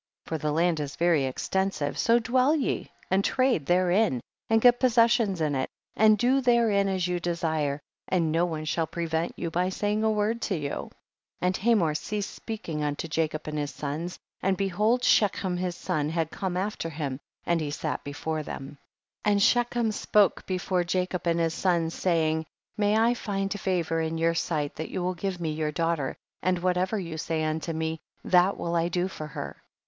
25. For our land is very exten sive, so dwell ye and trade therein and get possessions in it, and do therein as you desire, and no one shall prevent you by saying a word to you. 26. And Hamor ceased speakmg 98 THE BOOK OF JASHER. unto Jacob and his sons, and behold Shechem his son had come after him, and he sat before them. 27. And Shechem spoke before Jacob and his sons, saying, may I find favor in your sight that you will give me your daughter, and what ever you say unto me that will I do for her.